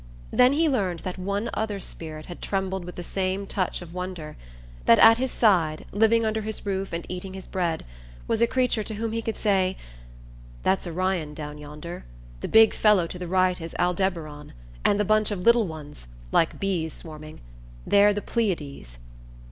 Then he learned that one other spirit had trembled with the same touch of wonder: that at his side, living under his roof and eating his bread, was a creature to whom he could say: "That's Orion down yonder; the big fellow to the right is Aldebaran, and the bunch of little ones like bees swarming they're the Pleiades..."